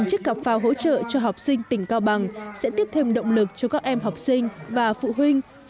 một chiếc cặp phao hỗ trợ cho học sinh tỉnh cao bằng sẽ tiếp thêm động lực cho các em học sinh và phụ huynh